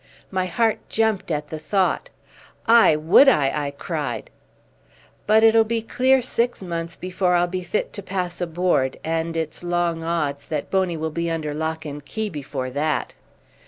My heart jumped at the thought. "Aye, would I!" I cried. "But it'll be clear six months before I'll be fit to pass a board, and it's long odds that Boney will be under lock and key before that."